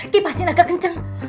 kipasin agak kenceng